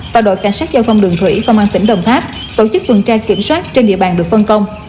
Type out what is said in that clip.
và đội cảnh sát giao thông đường thủy công an tỉnh đồng tháp tổ chức tuần tra kiểm soát trên địa bàn được phân công